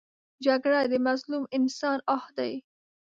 جګړه د مظلوم انسان آه دی